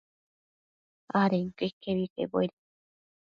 adenquio iquebi quebuedi